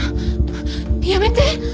やめて！